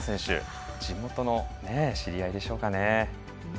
地元の知り合いでしょうか。